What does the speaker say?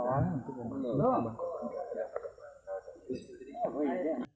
dan untuk membangun komponen